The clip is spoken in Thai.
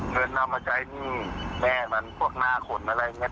เงินเอามาใช้หนี้แม่มันพวกหน้าขนอะไรอย่างนี้